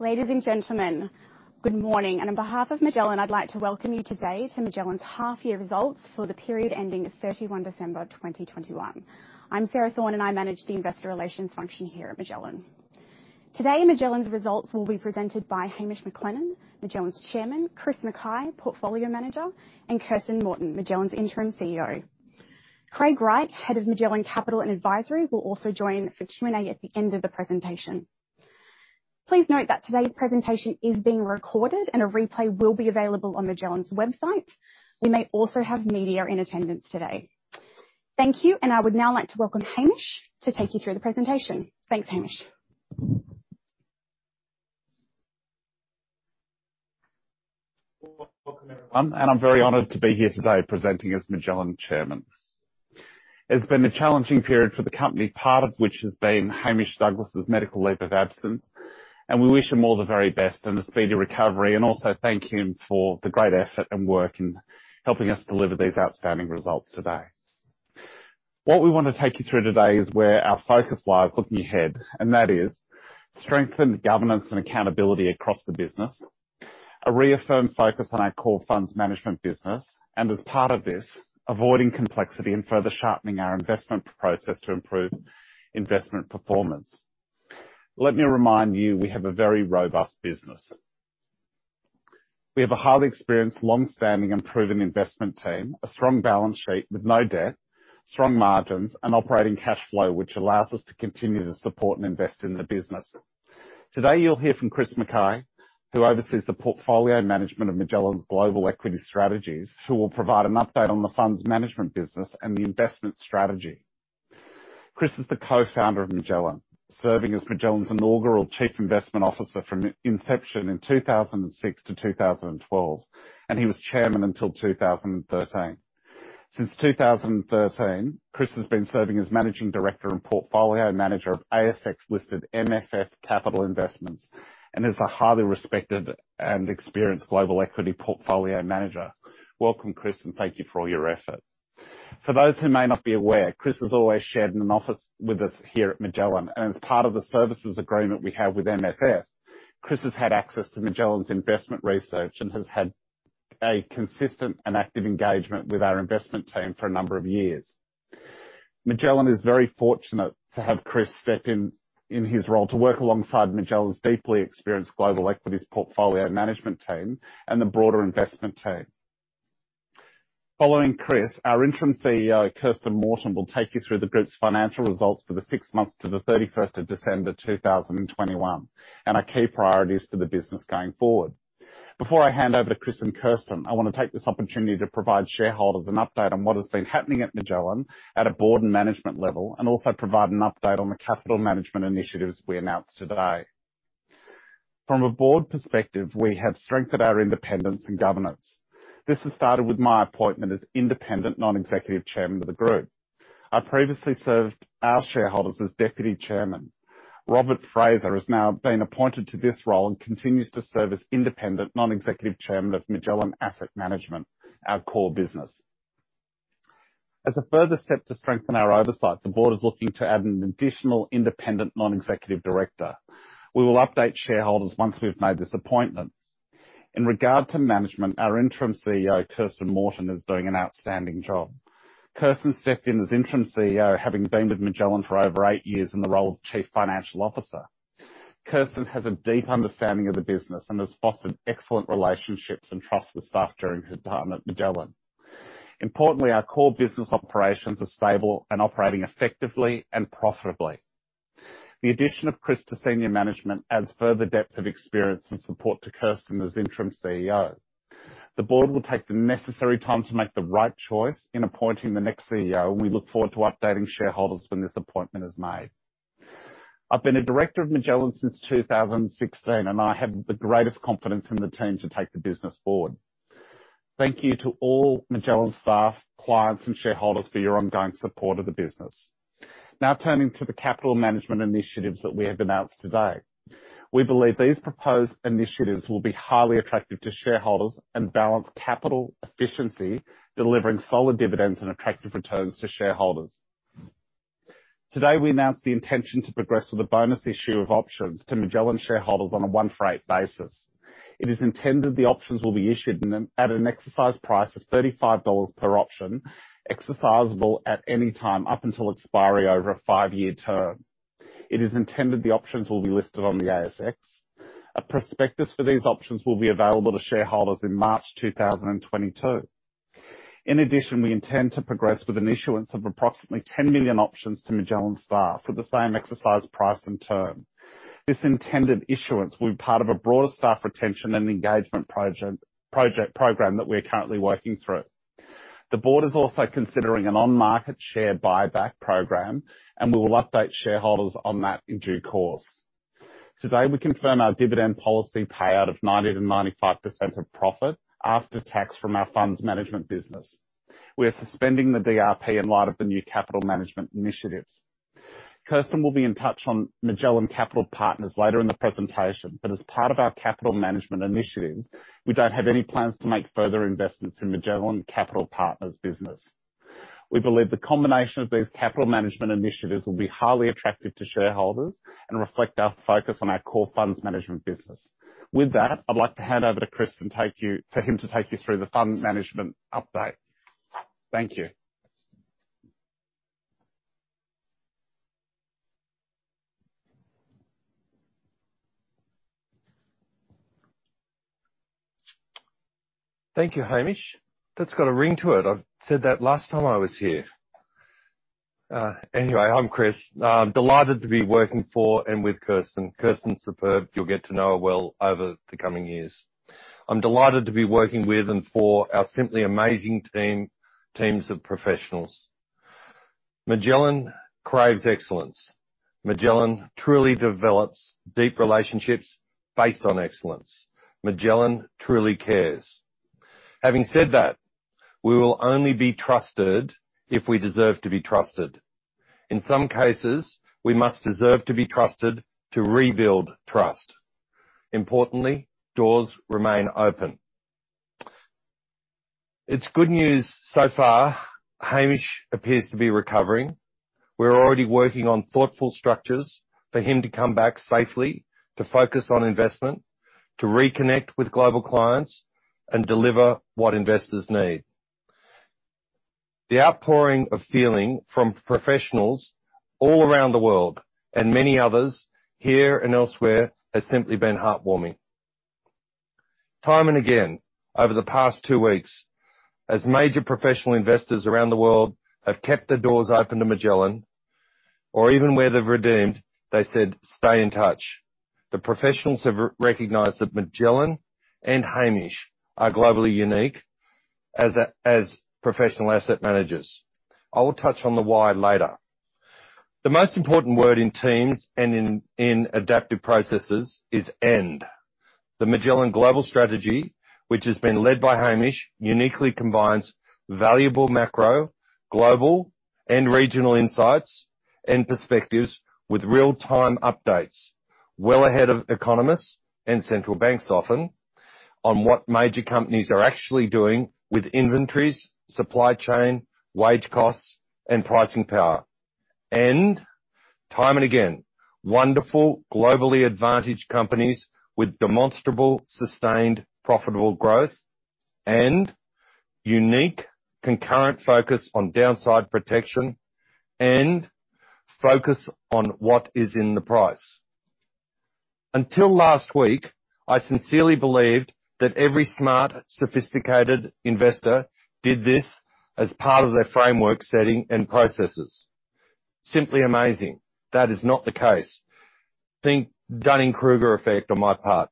Ladies and gentlemen, good morning. On behalf of Magellan, I'd like to welcome you today to Magellan's half year results for the period ending 31 December 2021. I'm Sarah Thorne, and I manage the investor relations function here at Magellan. Today, Magellan's results will be presented by Hamish McLennan, Magellan's Chairman, Chris Mackay, Portfolio Manager, and Kirsten Morton, Magellan's Interim CEO. Craig Wright, Head of Magellan Capital and Advisory, will also join for Q&A at the end of the presentation. Please note that today's presentation is being recorded and a replay will be available on Magellan's website. We may also have media in attendance today. Thank you, and I would now like to welcome Hamish to take you through the presentation. Thanks, Hamish. Welcome, everyone, and I'm very honored to be here today presenting as Magellan Chairman. It's been a challenging period for the company, part of which has been Hamish Douglass's medical leave of absence, and we wish him all the very best and a speedy recovery, and also thank him for the great effort and work in helping us deliver these outstanding results today. What we wanna take you through today is where our focus lies looking ahead, and that is strengthen governance and accountability across the business, a reaffirmed focus on our core funds management business, and as part of this, avoiding complexity and further sharpening our investment process to improve investment performance. Let me remind you, we have a very robust business. We have a highly experienced, long-standing and proven investment team, a strong balance sheet with no debt, strong margins, and operating cash flow, which allows us to continue to support and invest in the business. Today, you'll hear from Chris Mackay, who oversees the portfolio management of Magellan's global equity strategies, who will provide an update on the funds management business and the investment strategy. Chris is the co-founder of Magellan, serving as Magellan's inaugural Chief Investment Officer from inception in 2006-2012, and he was Chairman until 2013. Since 2013, Chris has been serving as Managing Director and Portfolio Manager of ASX-listed MFF Capital Investments and is a highly respected and experienced global equity Portfolio Manager. Welcome, Chris, and thank you for all your efforts. For those who may not be aware, Chris has always shared an office with us here at Magellan. As part of the services agreement we have with MFF, Chris has had access to Magellan's investment research and has had a consistent and active engagement with our investment team for a number of years. Magellan is very fortunate to have Chris step in in his role to work alongside Magellan's deeply experienced global equities portfolio management team and the broader investment team. Following Chris, our Interim CEO, Kirsten Morton, will take you through the group's financial results for the six months to 31st December 2021, and our key priorities for the business going forward. Before I hand over to Chris and Kirsten, I wanna take this opportunity to provide shareholders an update on what has been happening at Magellan at a board and management level, and also provide an update on the capital management initiatives we announced today. From a board perspective, we have strengthened our independence and governance. This has started with my appointment as independent non-executive chairman of the group. I previously served our shareholders as deputy chairman. Robert Fraser has now been appointed to this role and continues to serve as independent non-executive chairman of Magellan Asset Management, our core business. As a further step to strengthen our oversight, the board is looking to add an additional independent non-executive director. We will update shareholders once we've made this appointment. In regard to management, our interim CEO, Kirsten Morton, is doing an outstanding job. Kirsten stepped in as Interim CEO, having been with Magellan for over eight years in the role of Chief Financial Officer. Kirsten has a deep understanding of the business and has fostered excellent relationships and trust with staff during her time at Magellan. Importantly, our core business operations are stable and operating effectively and profitably. The addition of Chris to senior management adds further depth of experience and support to Kirsten as Interim CEO. The board will take the necessary time to make the right choice in appointing the next CEO, and we look forward to updating shareholders when this appointment is made. I've been a director of Magellan since 2016, and I have the greatest confidence in the team to take the business forward. Thank you to all Magellan staff, clients, and shareholders for your ongoing support of the business. Now turning to the capital management initiatives that we have announced today. We believe these proposed initiatives will be highly attractive to shareholders and balance capital efficiency, delivering solid dividends and attractive returns to shareholders. Today, we announced the intention to progress with a bonus issue of options to Magellan shareholders on a one for eight basis. It is intended the options will be issued at an exercise price of 35 dollars per option, exercisable at any time up until expiry over a five year term. It is intended the options will be listed on the ASX. A prospectus for these options will be available to shareholders in March 2022. In addition, we intend to progress with an issuance of approximately 10 million options to Magellan staff for the same exercise price and term. This intended issuance will be part of a broader staff retention and engagement project program that we're currently working through. The board is also considering an on-market share buyback program, and we will update shareholders on that in due course. Today, we confirm our dividend policy payout of 90%-95% of profit after tax from our funds management business. We are suspending the DRP in light of the new capital management initiatives. Kirsten will be in touch on Magellan Capital Partners later in the presentation. As part of our capital management initiatives, we don't have any plans to make further investments in Magellan Capital Partners business. We believe the combination of these capital management initiatives will be highly attractive to shareholders and reflect our focus on our core funds management business. With that, I'd like to hand over to Chris for him to take you through the fund management update. Thank you. Thank you, Hamish. That's got a ring to it. I've said that last time I was here. I'm Chris. I'm delighted to be working for and with Kirsten. Kirsten's superb, you'll get to know her well over the coming years. I'm delighted to be working with and for our simply amazing team, teams of professionals. Magellan craves excellence. Magellan truly develops deep relationships based on excellence. Magellan truly cares. Having said that, we will only be trusted if we deserve to be trusted. In some cases, we must deserve to be trusted to rebuild trust. Importantly, doors remain open. It's good news so far. Hamish appears to be recovering. We're already working on thoughtful structures for him to come back safely, to focus on investment, to reconnect with global clients, and deliver what investors need. The outpouring of feeling from professionals all around the world, and many others here and elsewhere, has simply been heartwarming. Time and again, over the past two weeks, as major professional investors around the world have kept their doors open to Magellan, or even where they've redeemed, they said, "Stay in touch." The professionals have re-recognized that Magellan and Hamish are globally unique as professional asset managers. I will touch on the why later. The most important word in teams and in adaptive processes is and. The Magellan global strategy, which has been led by Hamish, uniquely combines valuable macro, global and regional insights and perspectives with real-time updates, well ahead of economists and central banks, often, on what major companies are actually doing with inventories, supply chain, wage costs, and pricing power. Time and again, wonderful globally advantaged companies with demonstrable, sustained, profitable growth and unique concurrent focus on downside protection and focus on what is in the price. Until last week, I sincerely believed that every smart, sophisticated investor did this as part of their framework setting and processes. Simply amazing. That is not the case. Think Dunning-Kruger effect on my part.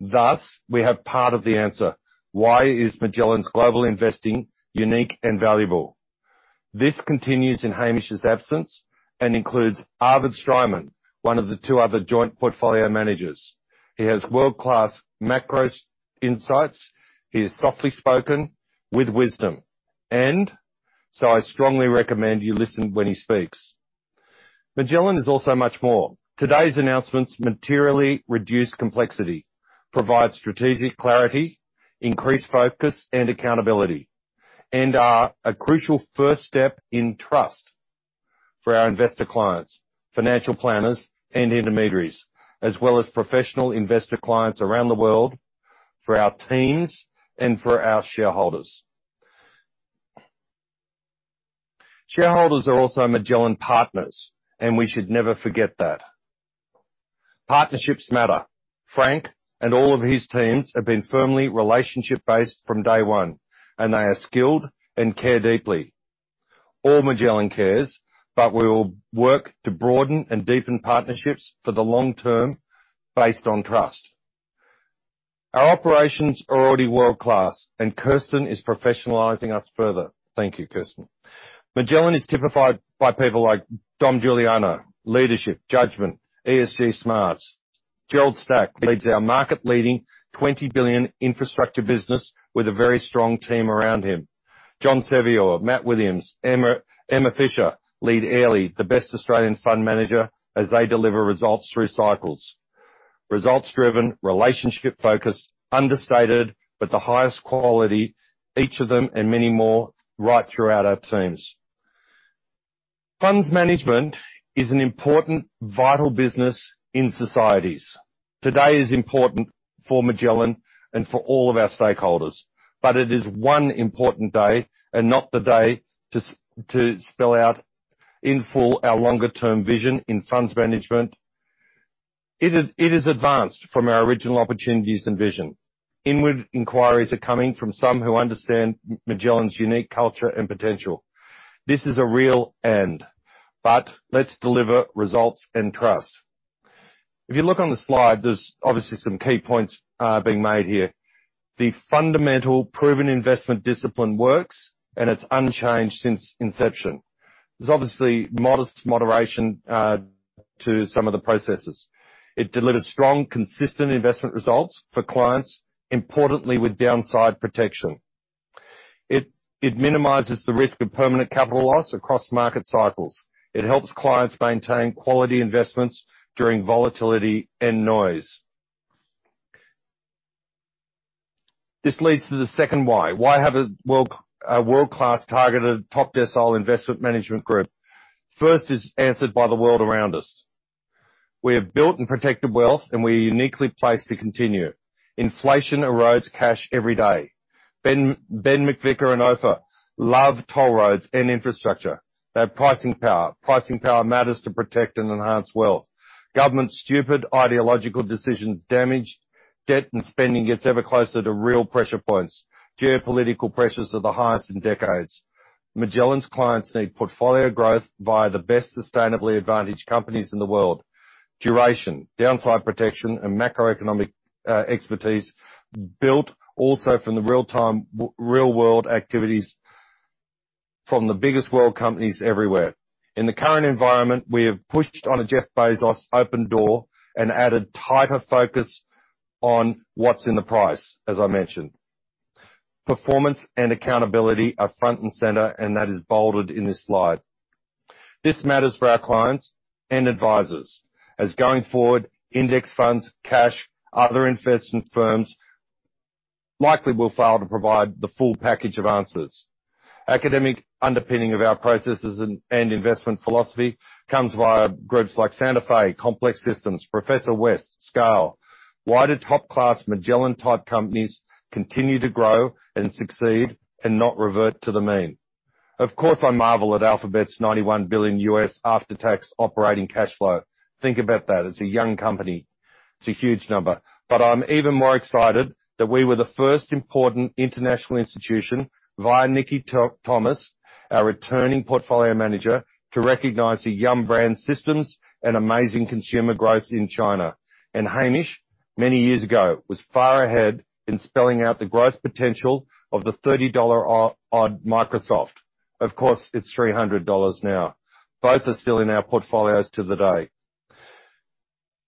Thus, we have part of the answer. Why is Magellan's global investing unique and valuable? This continues in Hamish's absence and includes Arvid Streimann, one of the two other joint portfolio managers. He has world-class macro insights. He is softly spoken with wisdom, and so I strongly recommend you listen when he speaks. Magellan is also much more. Today's announcements materially reduce complexity, provide strategic clarity, increased focus and accountability, and are a crucial first step in trust for our investor clients, financial planners and intermediaries, as well as professional investor clients around the world, for our teams and for our shareholders. Shareholders are also Magellan partners, and we should never forget that. Partnerships matter. Frank and all of his teams have been firmly relationship-based from day one, and they are skilled and care deeply. All Magellan cares, but we will work to broaden and deepen partnerships for the long term based on trust. Our operations are already world-class, and Kirsten is professionalizing us further. Thank you, Kirsten. Magellan is typified by people like Dom Giuliano, leadership, judgment, ESG smarts. Gerald Stack leads our market-leading 20 billion infrastructure business with a very strong team around him. John Sevior, Matt Williams, Emma Fisher lead Airlie, the best Australian fund manager, as they deliver results through cycles. Results driven, relationship-focused, understated, but the highest quality, each of them and many more right throughout our teams. Funds management is an important vital business in societies. Today is important for Magellan and for all of our stakeholders. It is one important day and not the day to spell out in full our longer-term vision in funds management. It is advanced from our original opportunities and vision. Inward inquiries are coming from some who understand Magellan's unique culture and potential. This is real, but let's deliver results and trust. If you look on the slide, there's obviously some key points being made here. The fundamental proven investment discipline works, and it's unchanged since inception. There's obviously modest moderation to some of the processes. It delivers strong, consistent investment results for clients, importantly, with downside protection. It minimizes the risk of permanent capital loss across market cycles. It helps clients maintain quality investments during volatility and noise. This leads to the second why. Why have a world-class targeted top-decile investment management group? First, is answered by the world around us. We have built and protected wealth, and we are uniquely placed to continue. Inflation erodes cash every day. Ben McVicker and Ofer love toll roads and infrastructure. They have pricing power. Pricing power matters to protect and enhance wealth. Government's stupid ideological decisions damage debt, and spending gets ever closer to real pressure points. Geopolitical pressures are the highest in decades. Magellan's clients need portfolio growth via the best sustainably advantaged companies in the world. Duration, downside protection and macroeconomic expertise built also from the real-time, real world activities from the biggest world companies everywhere. In the current environment, we have pushed on a Jeff Bezos open door and added tighter focus on what's in the price, as I mentioned. Performance and accountability are front and center, and that is bolded in this slide. This matters for our clients and advisors as going forward, index funds, cash, other investment firms likely will fail to provide the full package of answers. Academic underpinning of our processes and investment philosophy comes via groups like Santa Fe, Complex Systems, Professor West, Scale. Why do top-class Magellan-type companies continue to grow and succeed and not revert to the mean? Of course, I marvel at Alphabet's $91 billion U.S. after-tax operating cash flow. Think about that. It's a young company. It's a huge number. I'm even more excited that we were the first important international institution, via Nikki Thomas, our returning portfolio manager, to recognize the Yum! Brands systems and amazing consumer growth in China. Hamish, many years ago, was far ahead in spelling out the growth potential of the $30 or so Microsoft. Of course, it's $300 now. Both are still in our portfolios to this day.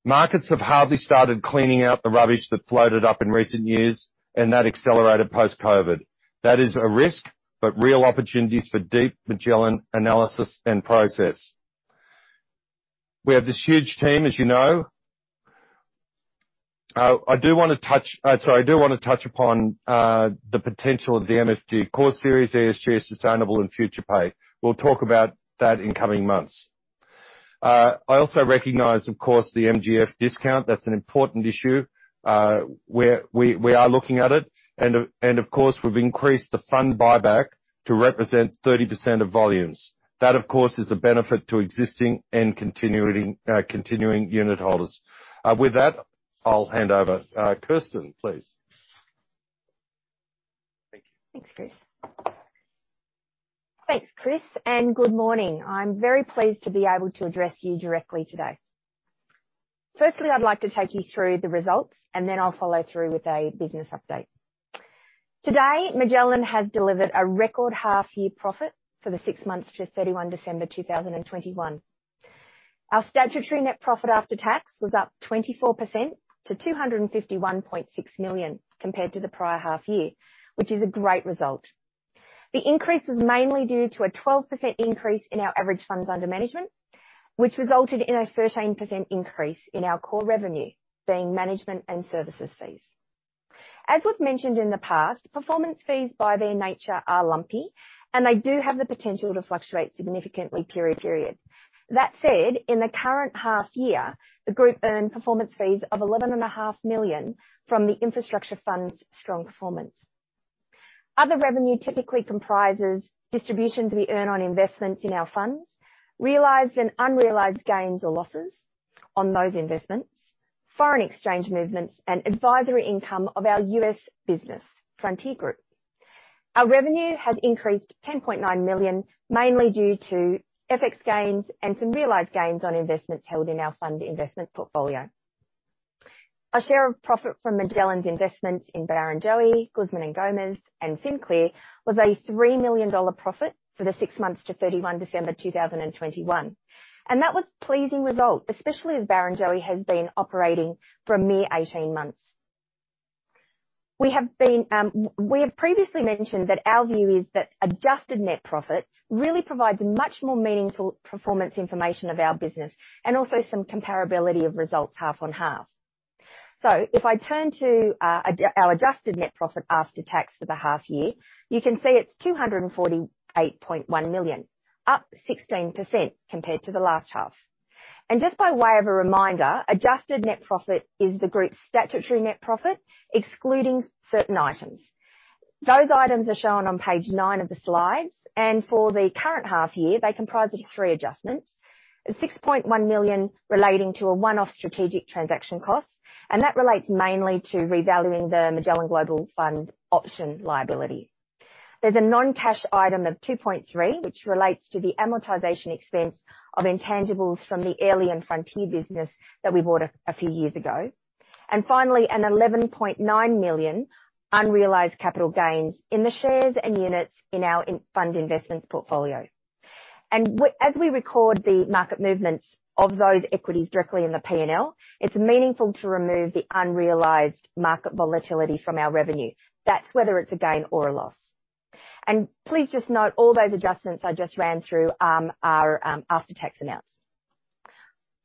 Markets have hardly started cleaning out the rubbish that floated up in recent years, and that accelerated post-COVID. That is a risk, but real opportunities for deep Magellan analysis and process. We have this huge team, as you know. I do wanna touch upon the potential of the MFG Core Series, ESG, sustainable, and FuturePay. We'll talk about that in coming months. I also recognize, of course, the MGF discount. That's an important issue. We are looking at it. Of course, we've increased the fund buyback to represent 30% of volumes. That, of course, is a benefit to existing and continuing unitholders. With that, I'll hand over. Kirsten, please. Thank you. Thanks, Chris. Thanks, Chris, and good morning. I'm very pleased to be able to address you directly today. Firstly, I'd like to take you through the results, and then I'll follow through with a business update. Today, Magellan has delivered a record half-year profit for the six months to 31 December 2021. Our statutory net profit after tax was up 24% to 251.6 million compared to the prior half year, which is a great result. The increase was mainly due to a 12% increase in our average funds under management, which resulted in a 13% increase in our core revenue, being management and services fees. As we've mentioned in the past, performance fees by their nature are lumpy, and they do have the potential to fluctuate significantly period to period. That said, in the current half year, the group earned performance fees of 11.5 Million from the infrastructure fund's strong performance. Other revenue typically comprises distributions we earn on investments in our funds, realized and unrealized gains or losses on those investments, foreign exchange movements, and advisory income of our U.S. business, Frontier Partners Group. Our revenue has increased 10.9 million, mainly due to FX gains and some realized gains on investments held in our fund investments portfolio. Our share of profit from Magellan's investments in Barrenjoey, Guzman y Gomez, and FinClear was a 3 million dollar profit for the six months to 31 December 2021. That was a pleasing result, especially as Barrenjoey has been operating for a mere 18 months. We have previously mentioned that our view is that adjusted net profit really provides much more meaningful performance information of our business and also some comparability of results half on half. If I turn to our adjusted net profit after tax for the half year, you can see it's 248.1 million, up 16% compared to the last half. Just by way of a reminder, adjusted net profit is the group's statutory net profit, excluding certain items. Those items are shown on page nine of the slides, and for the current half year, they comprise of three adjustments. 6.1 million relating to a one-off strategic transaction cost, and that relates mainly to revaluing the Magellan Global Fund option liability. There's a non-cash item of 2.3, which relates to the amortization expense of intangibles from the Airlie and Frontier business that we bought a few years ago. Finally, an 11.9 million unrealized capital gains in the shares and units in our unlisted investments portfolio. As we record the market movements of those equities directly in the P&L, it's meaningful to remove the unrealized market volatility from our revenue. That's whether it's a gain or a loss. Please just note all those adjustments I just ran through are after-tax amounts.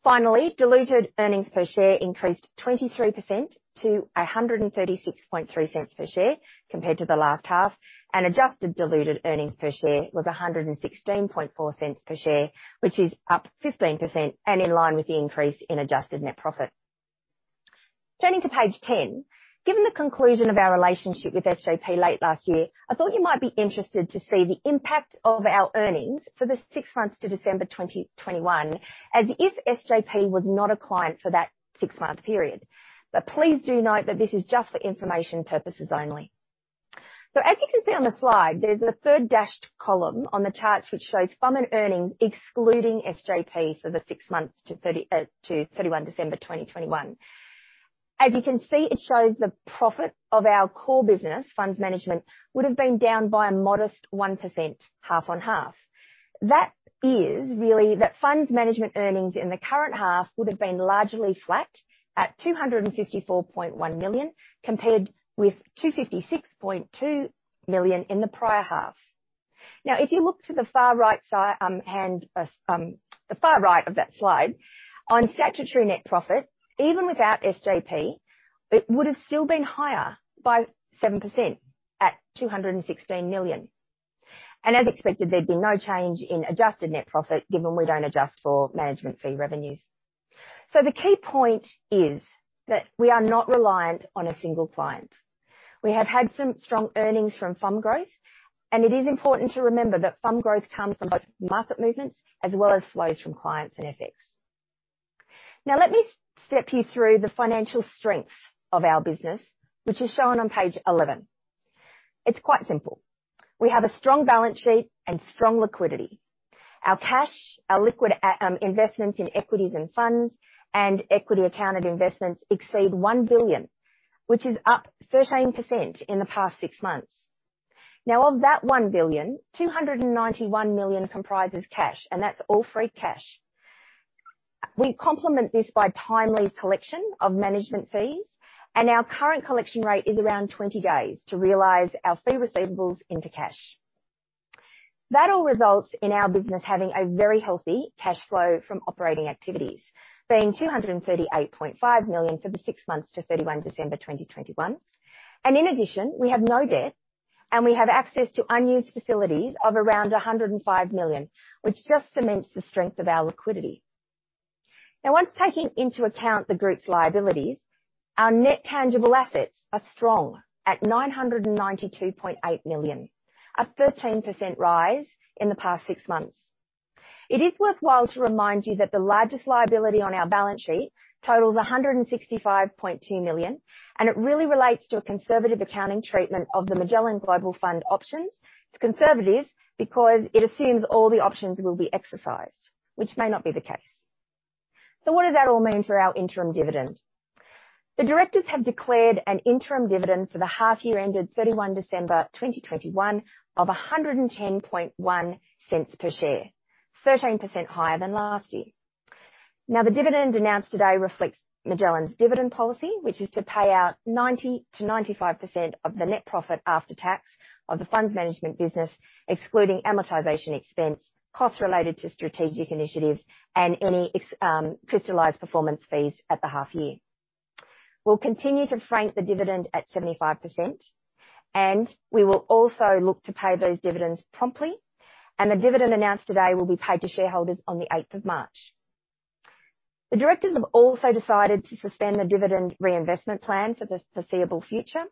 Finally, diluted earnings per share increased 23% to 1.363 per share compared to the last half, and adjusted diluted earnings per share was 1.164 per share, which is up 15% and in line with the increase in adjusted net profit. Turning to page 10, given the conclusion of our relationship with SJP late last year, I thought you might be interested to see the impact of our earnings for the six months to December 2021, as if SJP was not a client for that six-month period. Please do note that this is just for information purposes only. As you can see on the slide, there's a third dashed column on the charts which shows FUM and earnings excluding SJP for the six months to 31 December 2021. As you can see, it shows the profit of our core business, funds management, would've been down by a modest 1% half-on-half. That is really that funds management earnings in the current half would've been largely flat at 254.1 million, compared with 256.2 million in the prior half. Now, if you look to the far right of that slide on statutory net profit, even without SJP, it would've still been higher by 7% at 216 million. As expected, there'd be no change in adjusted net profit, given we don't adjust for management fee revenues. The key point is that we are not reliant on a single client. We have had some strong earnings from FUM growth, and it is important to remember that FUM growth comes from both market movements as well as flows from clients and FX. Now, let me step you through the financial strength of our business, which is shown on page 11. It's quite simple. We have a strong balance sheet and strong liquidity. Our cash, our liquid investments in equities and funds and equity accounted investments exceed 1 billion, which is up 13% in the past six months. Now, of that 1 billion, 291 million comprises cash, and that's all free cash. We complement this by timely collection of management fees, and our current collection rate is around 20 days to realize our fee receivables into cash. That all results in our business having a very healthy cash flow from operating activities, being 238.5 million for the six months to 31 December 2021. In addition, we have no debt, and we have access to unused facilities of around 105 million, which just cements the strength of our liquidity. Now, once taking into account the group's liabilities, our net tangible assets are strong, at 992.8 million, a 13% rise in the past six months. It is worthwhile to remind you that the largest liability on our balance sheet totals 165.2 million, and it really relates to a conservative accounting treatment of the Magellan Global Fund options. It's conservative because it assumes all the options will be exercised, which may not be the case. What does that all mean for our interim dividend? The directors have declared an interim dividend for the half year ended 31 December 2021 of 1.101 per share, 13% higher than last year. Now, the dividend announced today reflects Magellan's dividend policy, which is to pay out 90%-95% of the net profit after tax of the funds management business, excluding amortization expense, costs related to strategic initiatives, and any crystallized performance fees at the half year. We'll continue to frank the dividend at 75%, and we will also look to pay those dividends promptly. The dividend announced today will be paid to shareholders on the 8th of March. The directors have also decided to suspend the dividend reinvestment plan for the foreseeable future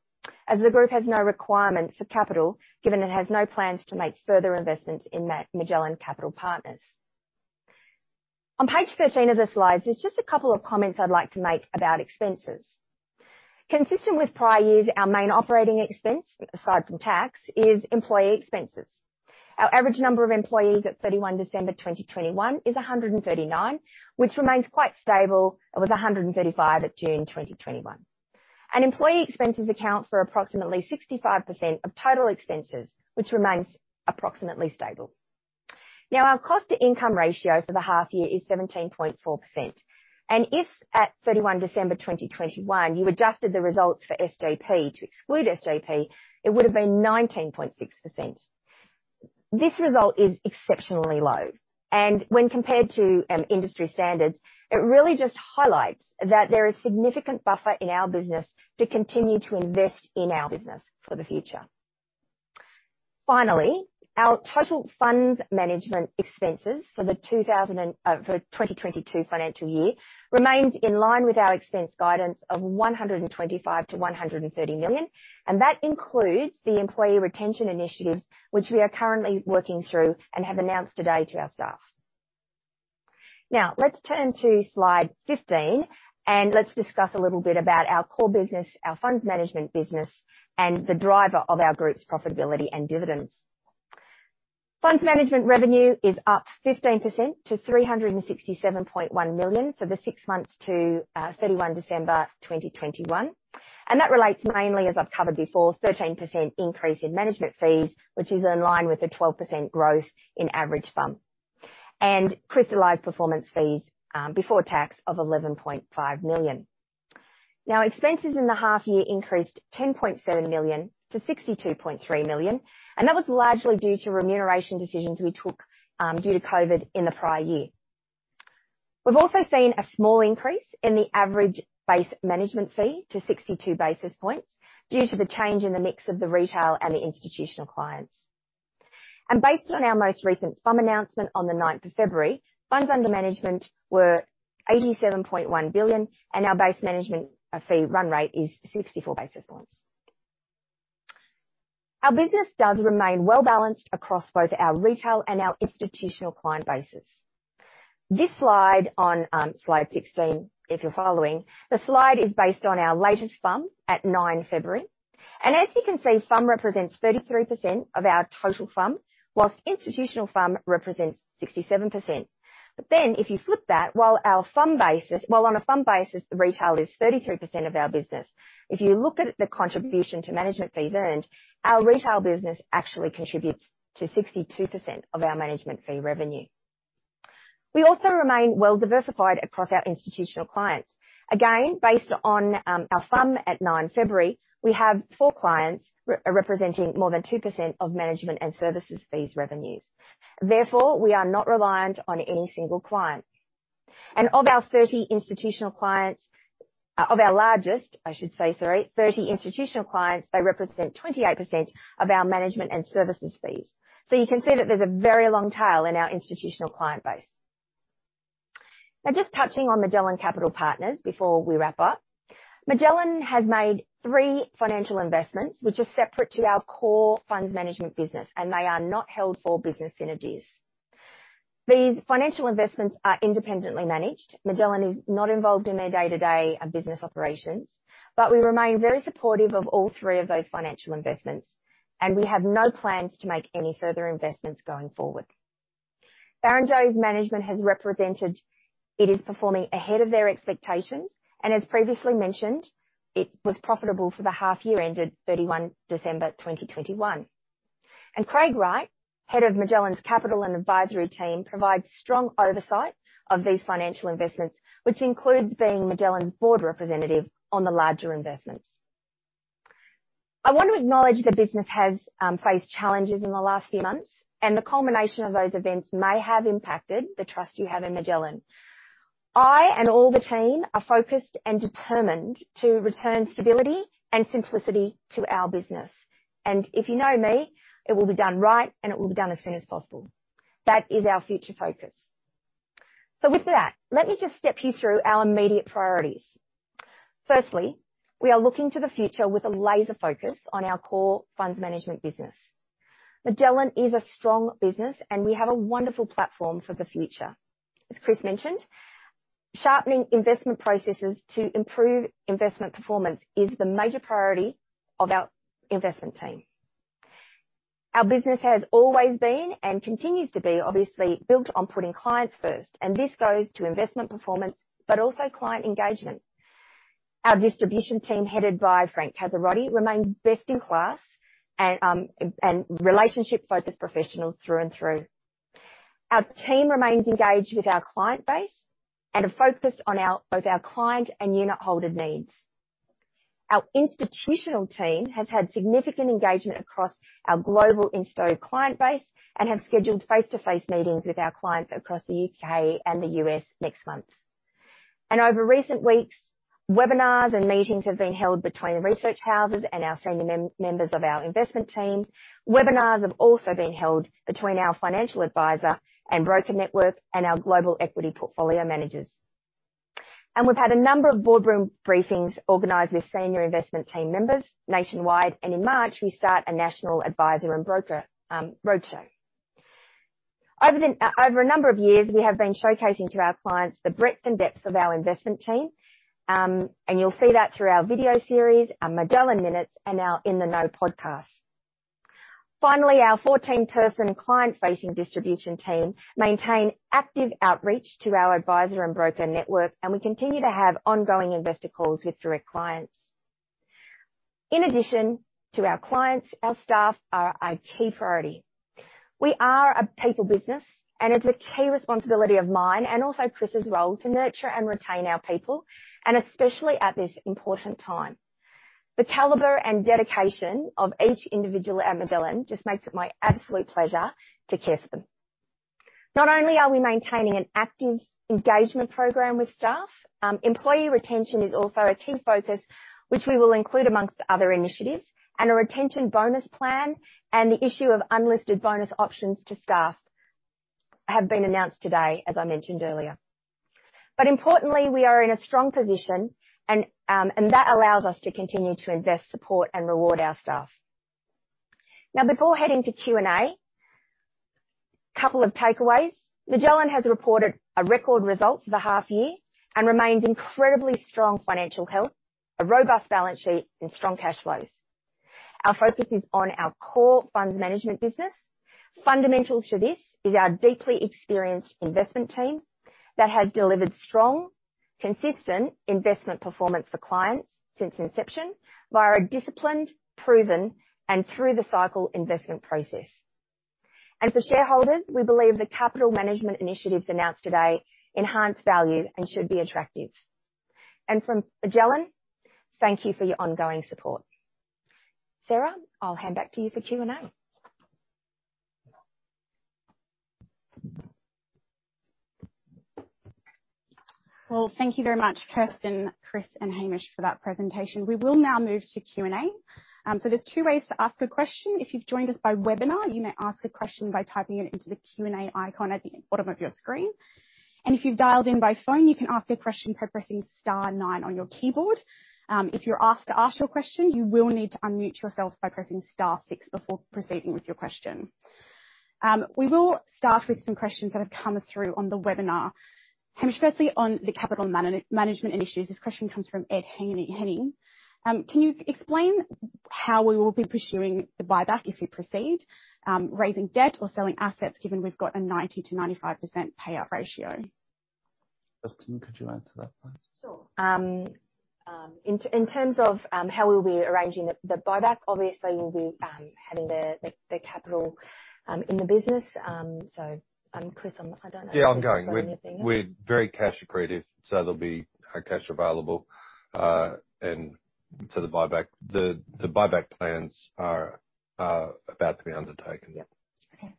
as the group has no requirement for capital, given it has no plans to make further investments in Magellan Capital Partners. On page 13 of the slides, there's just a couple of comments I'd like to make about expenses. Consistent with prior years, our main operating expense, aside from tax, is employee expenses. Our average number of employees at 31 December 2021 is 139, which remains quite stable. It was 135 at June 2021. Employee expenses account for approximately 65% of total expenses, which remains approximately stable. Now, our cost-to-income ratio for the half year is 17.4%. If at 31 December 2021, you adjusted the results for SJP to exclude SJP, it would've been 19.6%. This result is exceptionally low, and when compared to industry standards, it really just highlights that there is significant buffer in our business to continue to invest in our business for the future. Finally, our total funds management expenses for the 2021 and for 2022 financial year remains in line with our expense guidance of 125 million-130 million, and that includes the employee retention initiatives which we are currently working through and have announced today to our staff. Now, let's turn to slide 15, and let's discuss a little bit about our core business, our funds management business, and the driver of our group's profitability and dividends. Funds management revenue is up 15% to 367.1 million for the six months to 31 December 2021, and that relates mainly, as I've covered before, 13% increase in management fees, which is in line with the 12% growth in average FUM. Crystallized performance fees before tax of 11.5 million. Now expenses in the half year increased 10.7 million-62.3 million, and that was largely due to remuneration decisions we took due to COVID in the prior year. We've also seen a small increase in the average base management fee to 62 basis points due to the change in the mix of the retail and the institutional clients. Based on our most recent FUM announcement on the 9th of February, funds under management were 87.1 billion, and our base management fee run rate is 64 basis points. Our business does remain well-balanced across both our retail and our institutional client bases. This slide on slide 16, if you're following, the slide is based on our latest FUM at 9 February. As you can see, FUM represents 33% of our total FUM, while institutional FUM represents 67%. Then, if you flip that, while on a FUM basis, the retail is 33% of our business, if you look at the contribution to management fees earned, our retail business actually contributes to 62% of our management fee revenue. We also remain well diversified across our institutional clients. Based on our FUM at 9 February, we have four clients representing more than 2% of management and services fees revenues. Therefore, we are not reliant on any single client. Of our largest thirty institutional clients, they represent 28% of our management and services fees. You can see that there's a very long tail in our institutional client base. Now just touching on Magellan Capital Partners before we wrap up. Magellan has made three financial investments, which are separate to our core funds management business, and they are not held for business synergies. These financial investments are independently managed. Magellan is not involved in their day-to-day business operations. We remain very supportive of all three of those financial investments, and we have no plans to make any further investments going forward. Barrenjoey's management has represented it is performing ahead of their expectations, and as previously mentioned, it was profitable for the half year ended 31 December 2021. Craig Wright, Head of Magellan's Capital and Advisory team, provides strong oversight of these financial investments, which includes being Magellan's board representative on the larger investments. I want to acknowledge the business has faced challenges in the last few months, and the culmination of those events may have impacted the trust you have in Magellan. I and all the team are focused and determined to return stability and simplicity to our business. If you know me, it will be done right, and it will be done as soon as possible. That is our future focus. With that, let me just step you through our immediate priorities. Firstly, we are looking to the future with a laser focus on our core funds management business. Magellan is a strong business, and we have a wonderful platform for the future. As Chris mentioned, sharpening investment processes to improve investment performance is the major priority of our investment team. Our business has always been, and continues to be, obviously, built on putting clients first, and this goes to investment performance, but also client engagement. Our distribution team, headed by Frank Casarotti, remains best-in-class and relationship-focused professionals through and through. Our team remains engaged with our client base and are focused on both our client and unitholder needs. Our institutional team has had significant engagement across our global insto client base and have scheduled face-to-face meetings with our clients across the U.K. and the U.S. next month. Over recent weeks, webinars and meetings have been held between research houses and our senior members of our investment team. Webinars have also been held between our financial advisor and broker network and our global equity portfolio managers. We've had a number of boardroom briefings organized with senior investment team members nationwide, and in March, we start a national advisor and broker roadshow. Over a number of years, we have been showcasing to our clients the breadth and depth of our investment team, and you'll see that through our video series, our Magellan Minutes, and our In the Know podcast. Finally, our 14-person client-facing distribution team maintain active outreach to our advisor and broker network, and we continue to have ongoing investor calls with direct clients. In addition to our clients, our staff are a key priority. We are a people business, and it's a key responsibility of mine, and also Chris' role, to nurture and retain our people, and especially at this important time. The caliber and dedication of each individual at Magellan just makes it my absolute pleasure to care for them. Not only are we maintaining an active engagement program with staff, employee retention is also a key focus which we will include amongst other initiatives, and a retention bonus plan and the issue of unlisted bonus options to staff have been announced today, as I mentioned earlier. Importantly, we are in a strong position and that allows us to continue to invest, support, and reward our staff. Now before heading to Q&A, couple of takeaways. Magellan has reported a record result for the half year and remains incredibly strong financial health, a robust balance sheet, and strong cash flows. Our focus is on our core funds management business. Fundamental to this is our deeply experienced investment team that has delivered strong, consistent investment performance for clients since inception via a disciplined, proven, and through the cycle investment process. For shareholders, we believe the capital management initiatives announced today enhance value and should be attractive. From Magellan, thank you for your ongoing support. Sarah, I'll hand back to you for Q&A. Well, thank you very much, Kirsten, Chris, and Hamish for that presentation. We will now move to Q&A. There's two ways to ask a question. If you've joined us by webinar, you may ask a question by typing it into the Q&A icon at the bottom of your screen. If you've dialed in by phone, you can ask a question by pressing star nine on your keyboard. If you're asked to ask your question, you will need to unmute yourself by pressing star six before proceeding with your question. We will start with some questions that have come through on the webinar. Hamish, firstly on the capital management initiatives. This question comes from Ed Henning. Can you explain how we will be pursuing the buyback if we proceed, raising debt or selling assets given we've got a 90%-95% payout ratio? Kirsten, could you answer that one? Sure. In terms of how we'll be arranging the buyback, obviously we'll be having the capital in the business. Chris, I don't know if you want to say anything. Yeah, I'm going. We're very cash accretive, so there'll be cash available, and to the buyback. The buyback plans are about to be undertaken. Yeah. Okay.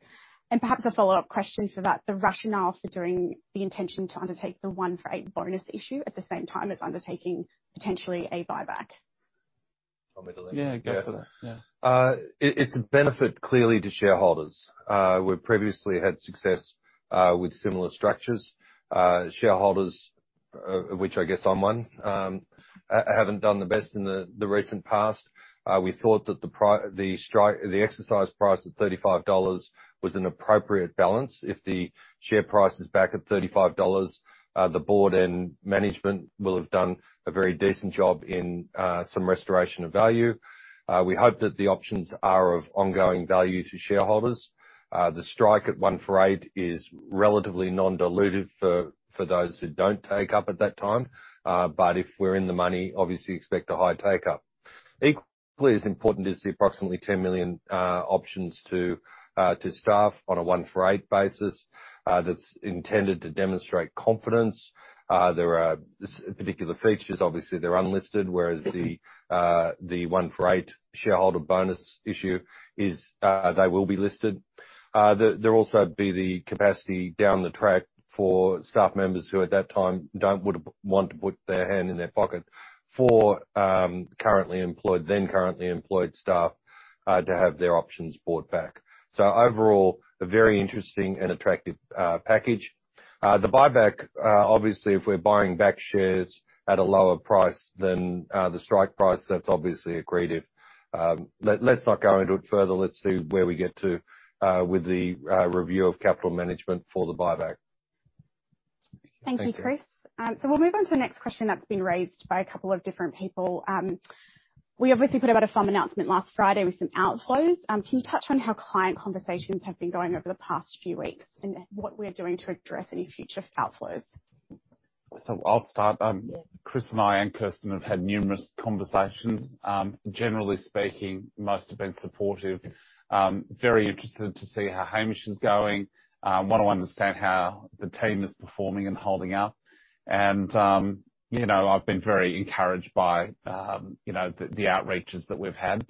Perhaps a follow-up question for that, the rationale for doing the intention to undertake the one for eight bonus issue at the same time as undertaking potentially a buyback. You want me to lead? Yeah, go for that. Yeah. It's clearly a benefit to shareholders. We've previously had success with similar structures. Shareholders, which I guess I'm one, haven't done the best in the recent past. We thought that the strike, the exercise price of 35 dollars was an appropriate balance. If the share price is back at 35 dollars, the board and management will have done a very decent job in some restoration of value. We hope that the options are of ongoing value to shareholders. The strike at 1 for 8 is relatively non-dilutive for those who don't take up at that time. If we're in the money, obviously expect a high take-up. Equally as important is the approximately 10 million options to staff on a one for eight basis, that's intended to demonstrate confidence. There are particular features. Obviously, they're unlisted, whereas the one for eight shareholder bonus issue is, they will be listed. There'll also be the capacity down the track for staff members who at that time don't want to put their hand in their pocket for currently employed staff to have their options bought back. Overall, a very interesting and attractive package. The buyback, obviously if we're buying back shares at a lower price than the strike price, that's obviously accretive. Let's not go into it further. Let's see where we get to with the review of capital management for the buyback. Thank you, Chris. Thank you. We'll move on to the next question that's been raised by a couple of different people. We obviously put out a FUM announcement last Friday with some outflows. Can you touch on how client conversations have been going over the past few weeks and what we're doing to address any future outflows? I'll start. Chris and I and Kirsten have had numerous conversations. Generally speaking, most have been supportive, very interested to see how Hamish is going, want to understand how the team is performing and holding up. You know, I've been very encouraged by, you know, the outreaches that we've had.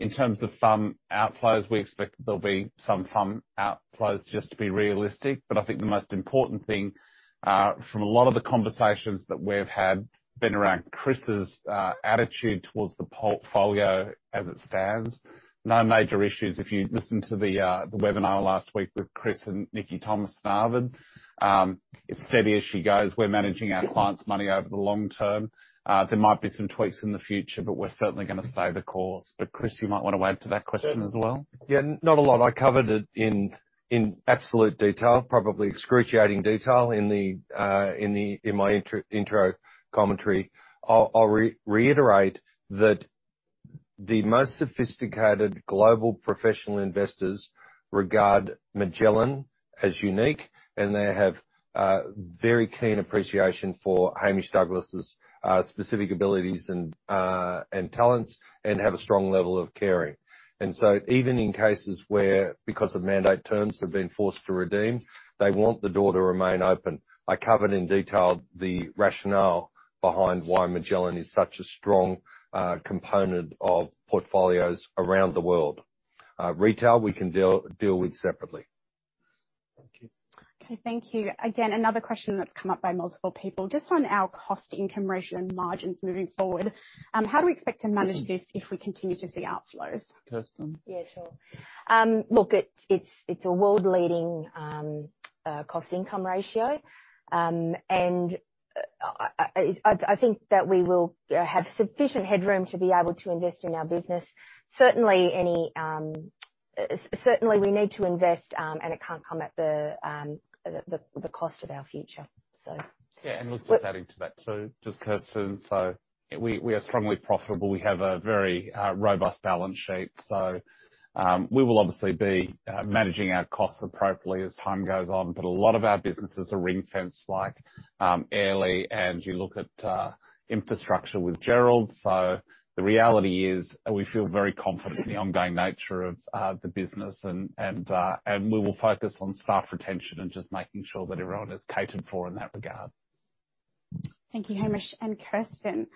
In terms of FUM outflows, we expect there'll be some FUM outflows, just to be realistic. I think the most important thing from a lot of the conversations that we've had been around Chris's attitude towards the portfolio as it stands. No major issues. If you listen to the webinar last week with Chris and Nikki Thomas, it's steady as she goes. We're managing our clients' money over the long term. There might be some tweaks in the future, but we're certainly gonna stay the course. Chris, you might wanna add to that question as well. Yeah. Not a lot. I covered it in absolute detail, probably excruciating detail in my intro commentary. I'll reiterate that the most sophisticated global professional investors regard Magellan as unique, and they have very keen appreciation for Hamish Douglass' specific abilities and talents and have a strong level of caring. Even in cases where, because of mandate terms they're being forced to redeem, they want the door to remain open. I covered in detail the rationale behind why Magellan is such a strong component of portfolios around the world. Retail, we can deal with separately. Thank you. Okay, thank you. Again, another question that's come up by multiple people. Just on our cost-income ratio and margins moving forward, how do we expect to manage this if we continue to see outflows? Kirsten? Yeah, sure. Look, it's a world-leading cost-income ratio. I think that we will have sufficient headroom to be able to invest in our business. Certainly we need to invest, and it can't come at the cost of our future, so. Yeah, look, just adding to that too. Just Kirsten. We are strongly profitable. We have a very robust balance sheet, so we will obviously be managing our costs appropriately as time goes on. But a lot of our businesses are ring-fenced, like Airlie, and you look at infrastructure with Gerald. The reality is, we feel very confident in the ongoing nature of the business and we will focus on staff retention and just making sure that everyone is catered for in that regard. Thank you, Hamish and Kirsten.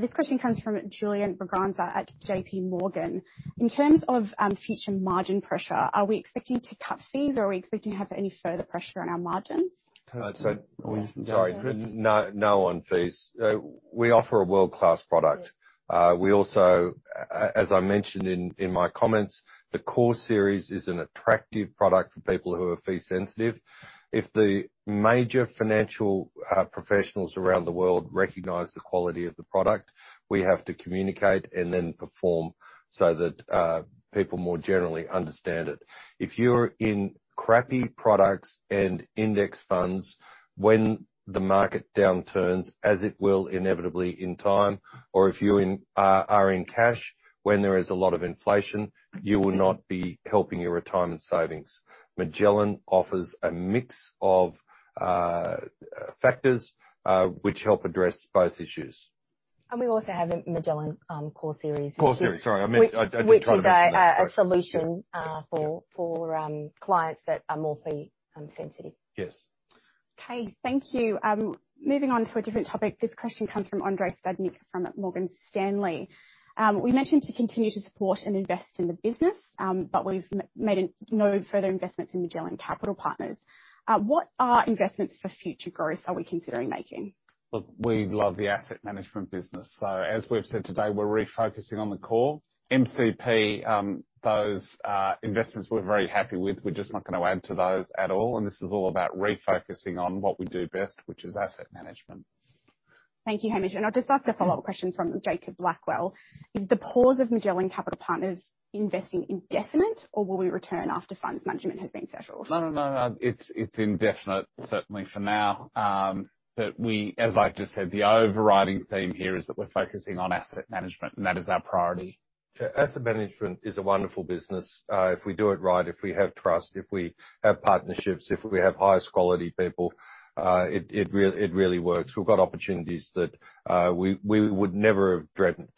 This question comes from Julian Braganza at JPMorgan. In terms of future margin pressure, are we expecting to cut fees, or are we expecting to have any further pressure on our margins? Yeah. Sorry, Kirsten. No, no on fees. We offer a world-class product. As I mentioned in my comments, the Core Series is an attractive product for people who are fee sensitive. If the major financial professionals around the world recognize the quality of the product, we have to communicate and then perform so that people more generally understand it. If you're in crappy products and index funds when the market downturns, as it will inevitably in time, or if you are in cash when there is a lot of inflation, you will not be helping your retirement savings. Magellan offers a mix of factors which help address both issues. We also have a Magellan Core Series. Core Series. Sorry, I meant, I did try to mention that. Which is a solution for clients that are more fee sensitive. Yes. Okay. Thank you. Moving on to a different topic. This question comes from Andrei Stadnik from Morgan Stanley. We mentioned to continue to support and invest in the business, but we've made no further investments in Magellan Capital Partners. What investments for future growth are we considering making? Look, we love the asset management business. As we've said today, we're refocusing on the core. MCP, those investments we're very happy with, we're just not gonna add to those at all. This is all about refocusing on what we do best, which is asset management. Thank you, Hamish. I'll just ask a follow-up question from Jacob Blackwell. Is the pause of Magellan Capital Partners investing indefinite, or will we return after funds management has been settled? No, no. It's indefinite, certainly for now. As I just said, the overriding theme here is that we're focusing on asset management, and that is our priority. Yeah. Asset management is a wonderful business. If we do it right, if we have trust, if we have partnerships, if we have highest quality people, it really works. We've got opportunities that we would never have dreamt